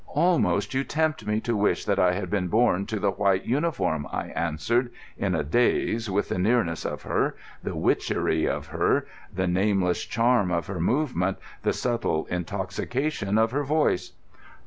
"Almost you tempt me to wish that I had been born to the white uniform," I answered, in a daze with the nearness of her, the witchery of her, the nameless charm of her movement, the subtle intoxication of her voice.